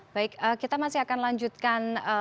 baik kita masih akan lanjutkan